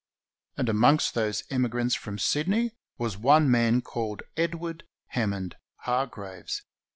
And amongst those emigrants from Sydney was one man called Edward Hammond Hargraves.